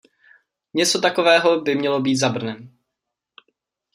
Něco takového by mělo být za Brnem.